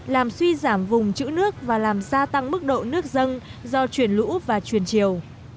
làm suy giảm vùng chữ nước và làm gia tăng mức độ nước dân do chuyển lũ và chuyển chiều